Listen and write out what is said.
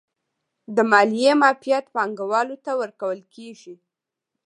د مالیې معافیت پانګوالو ته ورکول کیږي